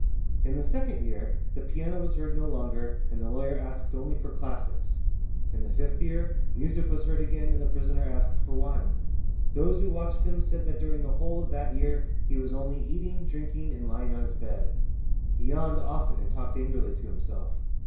In the second year the piano was heard no longer and the lawyer asked only for classics. In the fifth year, music was heard again, and the prisoner asked for wine. Those who watched him said that during the whole of that year he was only eating, drinking, and lying on his bed. He yawned often and talked angrily to himself.